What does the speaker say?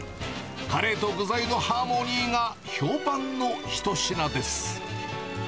カレーと具材のハーモニーが評判の一品です。